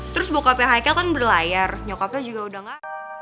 terus bokapnya haikel kan berlayar nyokapnya juga udah ga